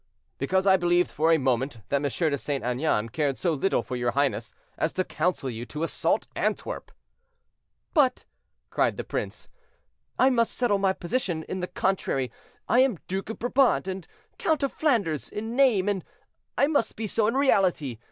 "Because I believed for a moment that M. de St. Aignan cared so little for your highness as to counsel you to assault Antwerp." "But," cried the prince, "I must settle my position in the country. I am Duke of Brabant and Count of Flanders, in name, and I must be so in reality.